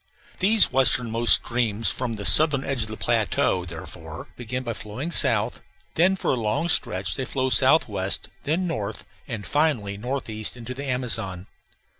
These westernmost streams from the southern edge of the plateau, therefore, begin by flowing south; then for a long stretch they flow southwest; then north, and finally northeast into the Amazon.